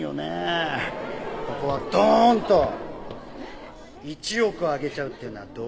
ここはドーンと１億あげちゃうっていうのはどう？